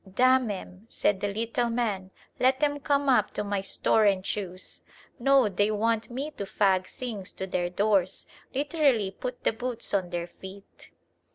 "Damn 'em," said the little man, "let 'em come up to my store and choose. No, they want me to fag things to their doors, literally put the boots on their feet."